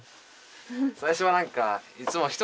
最初はなんかいつも１人で。